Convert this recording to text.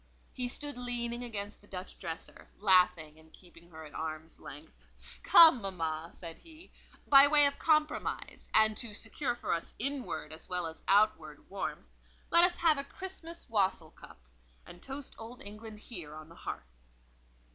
He stood leaning against the Dutch dresser, laughing and keeping her at arm's length. "Come, mamma," said he, "by way of compromise, and to secure for us inward as well as outward warmth, let us have a Christmas wassail cup, and toast Old England here, on the hearth."